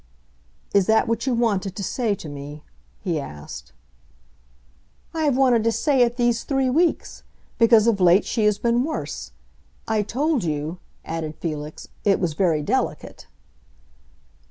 "Is that what you wanted to say to me?" he asked. "I have wanted to say it these three weeks. Because of late she has been worse. I told you," added Felix, "it was very delicate."